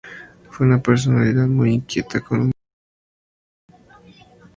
Fue una personalidad muy inquieta como músico.